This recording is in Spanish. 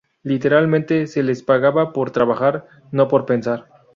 Literalmente, se les pagaba por trabajar, no por pensar.